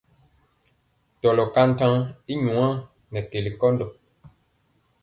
Tɔlɔ ka ntaŋa i nwaa nɛ keli nkɔndɔ.